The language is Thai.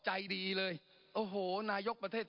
ใจดีเลยโอ้โหนายกประเทศ